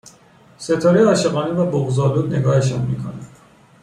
ستاره عاشقانه و بغضآلود نگاهشان میکند